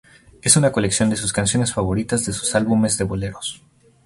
Es una colección de sus canciones favoritas de sus álbumes de boleros.